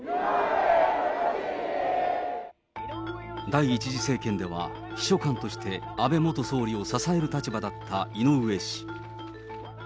第１次政権では、秘書官として安倍元総理を支える立場だった井上氏。